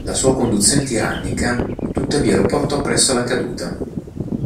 La sua conduzione tirannica tuttavia lo portò presto alla caduta.